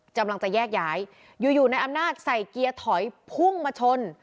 กำลังจะแยกย้ายอยู่ในอำนาจใส่เกียร์ถอยพุ่งมาชน